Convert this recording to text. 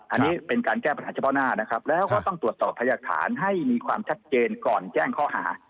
อันนี้เป็นการแก้ปัญหาเฉพาะหน้านะครับแล้วก็ต้องตรวจสอบพยากฐานให้มีความชัดเจนก่อนแจ้งข้อหา